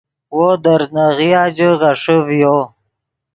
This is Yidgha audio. وو دے ریزناغیا ژے غیݰے ڤیو